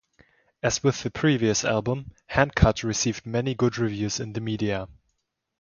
As with the previous album, "Hand Cut" received many good reviews in the media.